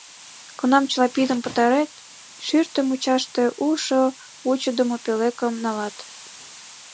Кунам чыла пидын пытарет, шӱртӧ мучаште улшо вучыдымо пӧлекым налат.